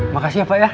makasih ya pak ya